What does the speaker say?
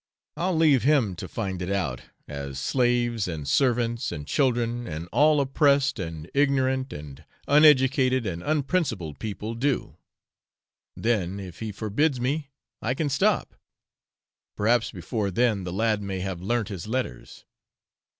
I'll leave him to find it out, as slaves, and servants and children, and all oppressed, and ignorant, and uneducated and unprincipled people do; then, if he forbids me I can stop perhaps before then the lad may have learnt his letters.